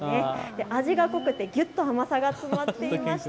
味が濃くてぎゅっと甘さが詰まっていました。